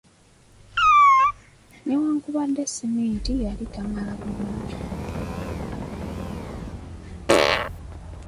Newankubadde simenti yali tamala bulungi.